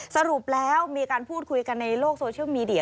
สรุปแล้วมีการพูดคุยกันในโลกโซเชียลมีเดีย